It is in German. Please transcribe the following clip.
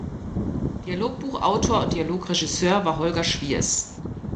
Dialogbuchautor und Dialogregisseur war Holger Schwiers.